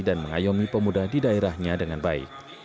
dan memperbaiki pemuda di daerahnya dengan baik